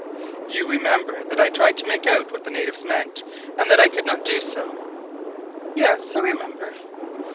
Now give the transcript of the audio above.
"You remember that I tried to make out what the natives meant, and that I could not do so?" "Yes, I remember."